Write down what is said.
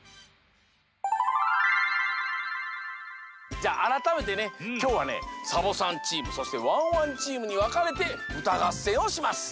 じゃああらためてねきょうはねサボさんチームそしてワンワンチームにわかれてうたがっせんをします。